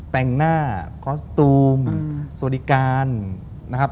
แต่งหน้าคอสตูมสวัสดิการนะครับ